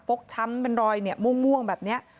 โฟกช้ำเป็นรอยเนี่ยม่วงแบบเนี้ย